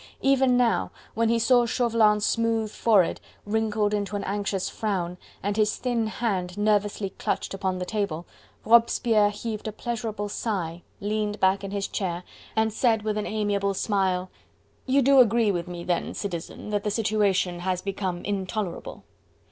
Even now, when he saw Chauvelin's smooth forehead wrinkled into an anxious frown, and his thin hand nervously clutched upon the table, Robespierre heaved a pleasurable sigh, leaned back in his chair, and said with an amiable smile: "You do agree with me, then, Citizen, that the situation has become intolerable?"